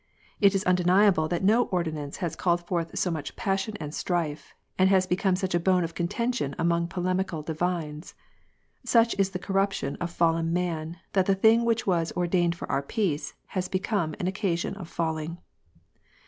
It is undeniable that no ordinance has called forth so much passion and strife, and has become such a bone of contention among polemical divines. Such is the corruption of fallen man that the thing which was " ordained for our peace" has become " an occasion of falling."